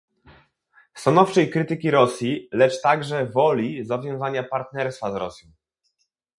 stanowczej krytyki Rosji, lecz także woli zawiązania partnerstwa z Rosją